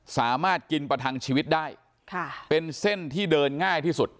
สามารถกินประทังชีวิตได้ค่ะเป็นเส้นที่เดินง่ายที่สุด